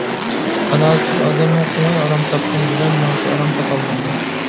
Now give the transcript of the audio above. قانائەتسىز ئادەمنىڭ قوڭى ئارام تاپقىنى بىلەن مېڭىسى ئارام تاپالمايدۇ.